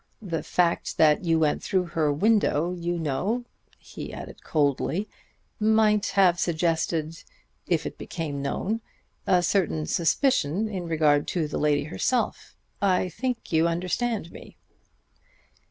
The fact that you went through her window, you know," he added coldly, "might have suggested, if it became known, a certain suspicion in regard to the lady herself. I think you understand me."